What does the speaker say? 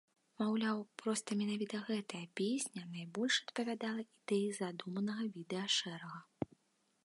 Маўляў, проста менавіта гэтая песня найбольш адпавядала ідэі задуманага відэашэрага.